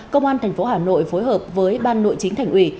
công an tp hà nội phối hợp với ban nội chính thành ủy